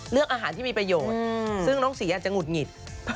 เรื่องอาหารที่มีประโยชน์ซึ่งน้องศรีอาจจะหงุดหงิด